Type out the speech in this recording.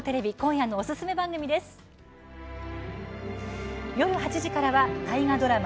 夜８時からは大河ドラマ